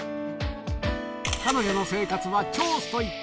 彼女の生活は超ストイック。